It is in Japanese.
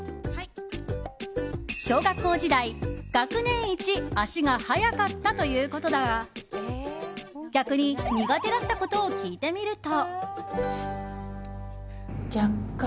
小学校時代、学年一足が速かったということだが逆に苦手だったことを聞いてみると。